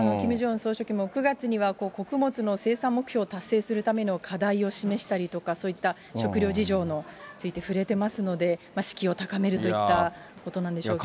総書記も、９月には穀物の生産目標を達成するための課題を示したりとか、そういった食糧事情について触れてますので、士気を高めるといったことなんでしょうけど。